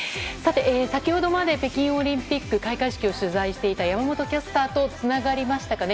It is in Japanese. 先ほどまで北京オリンピック開会式を取材していた山本キャスターとつながりました。